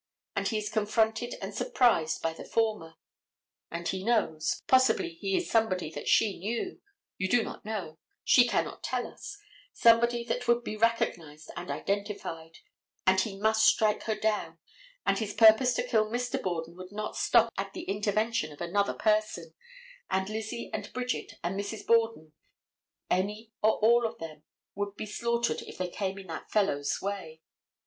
And he is confronted and surprised by the former. And he knows—possibly he is somebody that she knew—you do not know, she cannot tell us—somebody that would be recognized and identified, and he must strike her down; and his purpose to kill Mr. Borden would not stop at the intervention of another person, and Lizzie and Bridget and Mrs. Borden, any or all of them, would be slaughtered if they came in that fellow's way.